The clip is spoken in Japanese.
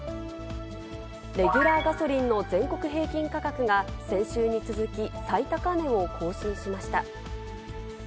レギュラーガソリンの全国平均価格が、先週に続き、最高値を更新しました。